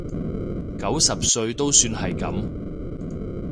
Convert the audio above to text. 九十歲都算係噉